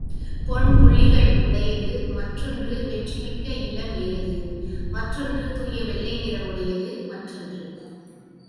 பொன் புள்ளிகள் உடையது மற்றொன்று வெற்றி மிக்க இளம் எருது மற்றொன்று தூய வெள்ளை நிறம் உடையது மற்றொன்று.